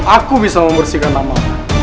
aku bisa membersihkan namamu